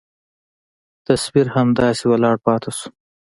تصوير همداسې ولاړ پاته سو.